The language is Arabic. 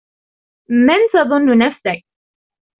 من تظن نفسك ؟